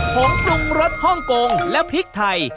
ผงปลุงรสฮอมโกงและพริกไทย